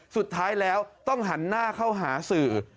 สุดท้ายแล้วต้องหันหน้าเข้าหาสื่อ